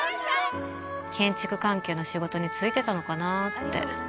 建築関係の仕事に就いてたのかなって